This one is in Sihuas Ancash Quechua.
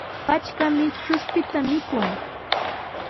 Patrkami chuspita mikun.